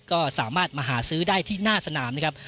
ก็สามารถมาหาซื้อได้ที่หน้าสนามนะครับ